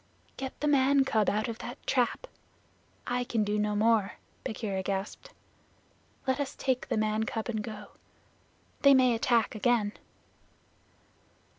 "Get the man cub out of that trap; I can do no more," Bagheera gasped. "Let us take the man cub and go. They may attack again."